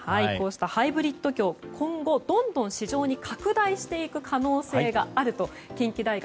こうしたハイブリッド魚今後、どんどん市場に拡大していく可能性があると近畿大学